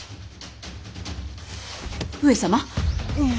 上様。